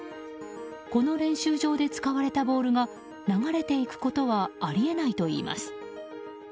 この練習場で使われたボールが流れていくことはあり得ないといいます。